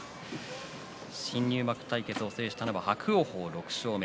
新入幕対決を制したのは伯桜鵬です、６勝目。